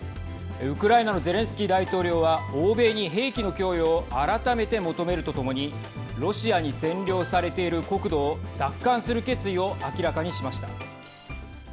ウクライナのゼレンスキー大統領は欧米に兵器の供与を改めて求めるとともにロシアに占領されている国土を奪還する決意を明らかにしました。